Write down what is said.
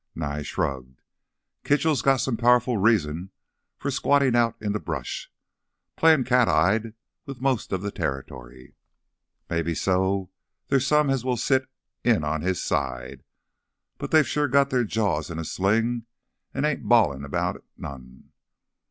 Nye shrugged. "Kitchell's got some powerful reason for squattin' out in th' brush playin' cat eyed with most of th' territory. Maybe so there're some as will sit in on his side, but they've sure got their jaws in a sling an' ain't bawlin' about it none.